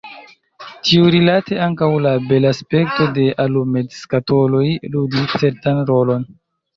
Tiurilate ankaŭ la belaspekto de alumetskatoloj ludis certan rolon.